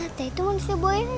gak ada itu manusia buaya ini